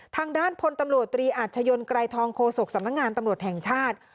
ทางด้านพลตำรวจตรีอาชญนไกรทองโฆษกสำนักงานตำรวจแห่งชาติ